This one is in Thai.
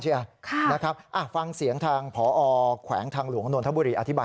นะครับฟังเสียงทางพอแขวงทางหลวงนนทบุรีอธิบาย